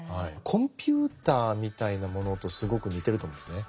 コンピューターみたいなものとすごく似てると思うんですね。